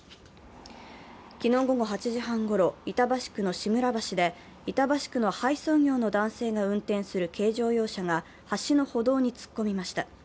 昨日午後８時半ごろ、板橋区の志村橋で、板橋区の配送業の男性が運転する軽乗用車が橋の歩道に突っ込みました。